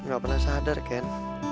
gak pernah sadar ken